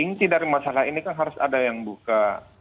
inti dari masalah ini kan harus ada yang buka